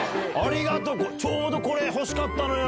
ちょうどこれ欲しかったのよ！